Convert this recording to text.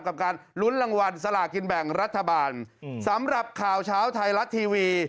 กับการลุ้นรางวัลสลากินแบ่งรัฐบาลสำหรับข่าวเช้าไทยรัฐทีวี